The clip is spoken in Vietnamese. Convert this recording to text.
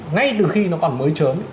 ngay từ khi nó còn mới trớm